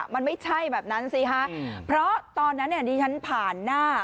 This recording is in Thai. มันไม่ใช่แบบนั้นสิคะเพราะตอนนั้นเนี่ยดิฉันผ่านหน้า